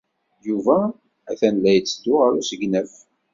Yuba atan la yetteddu ɣer usegnaf.